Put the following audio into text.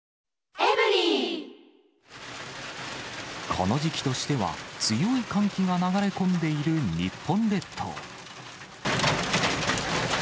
この時期としては強い寒気が流れ込んでいる日本列島。